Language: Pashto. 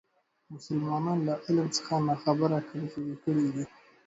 مسلمانان له علم څخه ناخبري کمزوري کړي دي.